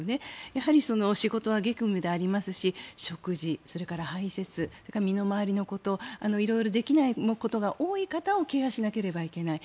やはり仕事は激務でありますし食事、それから排せつそれから身の回りのこと色々できないことが多い方をケアしなければいけない。